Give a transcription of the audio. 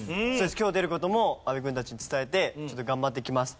今日出る事も阿部君たちに伝えて頑張ってきます！